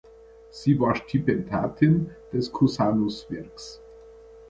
Sie war Stipendiatin des Cusanuswerks.